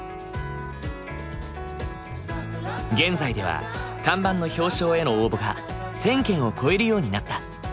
現在では看板の表彰への応募が１，０００件を超えるようになった。